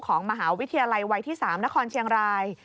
ของมหาวิทยาลัยวัยที่๓นครเชียงราย